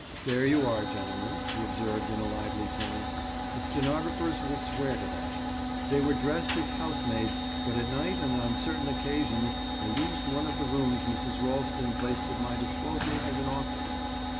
"There you are, gentlemen," he observed in a lively tone. "The stenographers will swear to that. They were dressed as house maids, but at night and on certain occasions, they used one of the rooms Mrs. Ralston placed at my disposal as an office.